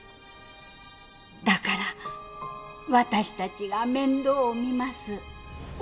だから私たちが面倒を見ます。